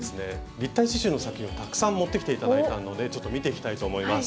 立体刺しゅうの作品をたくさん持ってきていただいたのでちょっと見ていきたいと思います。